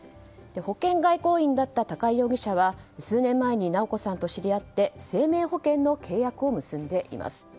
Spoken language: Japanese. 保険外交員だった高井容疑者は数年前に直子さんと知り合って生命保険の契約を結んでいます。